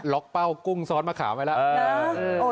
เป้ากุ้งซอสมะขาวไว้แล้ว